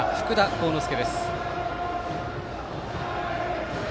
幸之介。